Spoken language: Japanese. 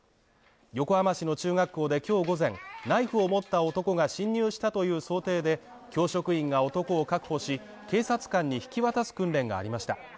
横浜市の中学校で今日午前、ナイフを持った男が侵入したという想定で教職員が男を確保し、警察官に引き渡す訓練がありました。